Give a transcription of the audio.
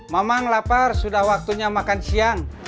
memang lapar sudah waktunya makan siang